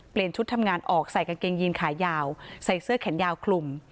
ชุดทำงานออกใส่กางเกงยีนขายาวใส่เสื้อแขนยาวคลุม